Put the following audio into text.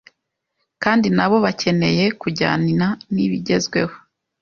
kandi na bo bakeneye kujyana n’ibigezweho